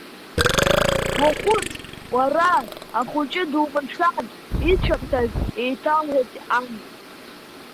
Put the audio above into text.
Уаҟәыҵ, уара, ахәыҷы думыршәан ицәамҭаз, еиҭалҳәеит ан.